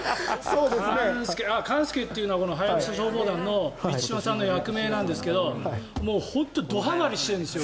勘介というのは「ハヤブサ消防団」の満島さんの役名なんですけどもう本当にドはまりしているんですよ